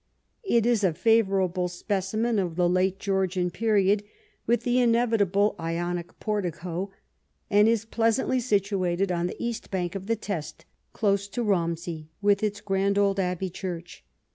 It is a favourable speci men of the later Georgian period, with the inevitable Ionic portico, and is pleasantly situated on the east bank of the Test, close to Bomsey, with its grand old abbey church.